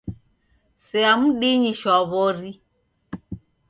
Sea mdinyi shwaw'ori!